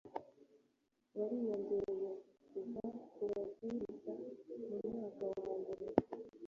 wariyongereye uva ku babwiriza mu mwaka wa mbere